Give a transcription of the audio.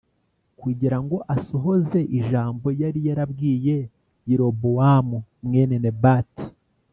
kugira ngo asohoze ijambo yari yarabwiye Yerobowamu mwene Nebati